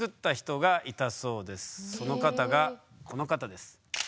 その方がこの方です。